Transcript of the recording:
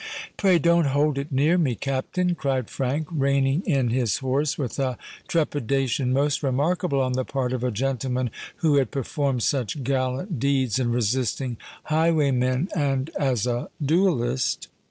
"Pray don't hold it near me, Captain!" cried Frank, reining in his horse with a trepidation most remarkable on the part of a gentleman who had performed such gallant deeds in resisting highwaymen and as a duellist.